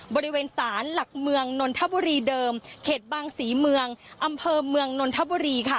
บริเวณศาลหลักเมืองนนทบุรีเดิมเขตบางศรีเมืองอำเภอเมืองนนทบุรีค่ะ